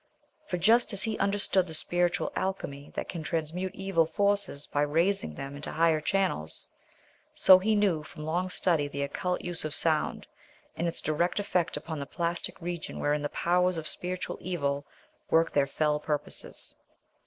For just as he understood the spiritual alchemy that can transmute evil forces by raising them into higher channels, so he knew from long study the occult use of sound, and its direct effect upon the plastic region wherein the powers of spiritual evil work their fell purposes.